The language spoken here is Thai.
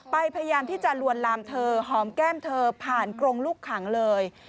พยายามที่จะลวนลามเธอหอมแก้มเธอผ่านกรงลูกขังเลย